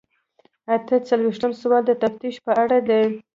اته څلویښتم سوال د تفتیش په اړه دی.